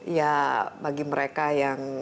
ya bagi mereka yang